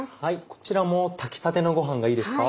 こちらも炊きたてのご飯がいいですか？